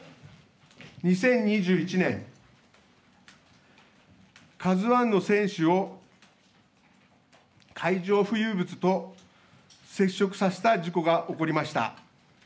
２０２１年、ＫＡＺＵＩの船首を海上浮遊物と接触させた事故が起こりました。